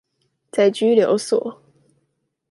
在拘留所